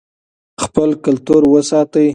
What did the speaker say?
خپل کلتور وساتئ.